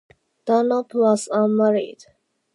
Dunlop was unmarried.